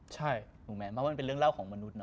ถูกไหมเพราะว่าเป็นเรื่องเล่าของมนุษย์เนอะ